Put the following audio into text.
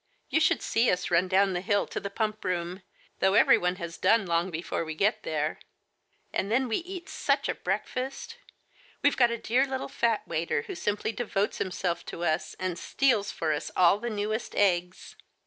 You should see us run down the hill to the Pump room, though everyone has done long before we get there ! And then we eat such a breakfast. Digitized by Google lO THE FATE OF FENELLA, We've gat a dear little fat waiter who simply devotes himself to us, and steals for us all the newest eggs